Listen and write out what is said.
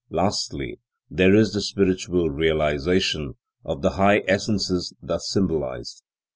Lastly, there is the spiritual realization of the high essences thus symbolized.